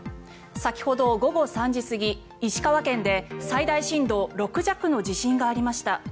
先ほど午後３時過ぎ、石川県で最大震度６弱の地震がありました。